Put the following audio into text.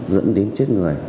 dẫn đến chết người